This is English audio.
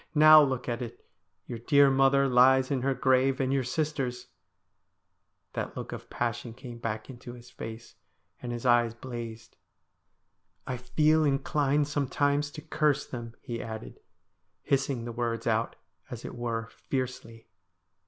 Now look at it. Your dear mother lies in her grave. And your sisters ' That look of passion came back into his face, and his eyes blazed. ' I feel inclined sometimes to curse them,' he added, hissing the words out, as it were, fiercely.